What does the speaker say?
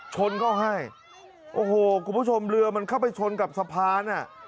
ชนเข้าให้โอ้โหคุณผู้ชมเรือมันเข้าไปชนกับสะพานอ่ะ